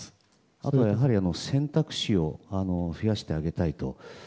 あと、やはり選択肢を増やしてあげたいと。